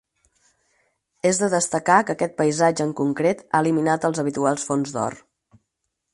És de destacar que aquest paisatge en concret ha eliminat els habituals fons d'or.